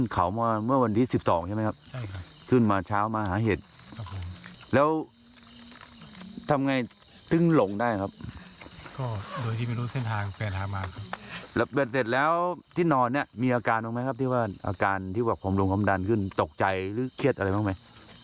เสร็จแล้วที่นอนเนี่ยมีอาการบ้างไหมครับที่ว่าอาการที่แบบผมลงความดันขึ้นตกใจหรือเครียดอะไรบ้างไหม